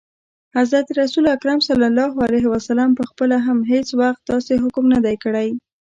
حضرت رسول اکرم ص پخپله هم هیڅ وخت داسي حکم نه دی کړی.